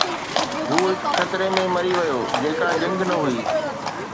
هو هڪ خطري ۾ مري ويو، جيڪا جنگ نه هئي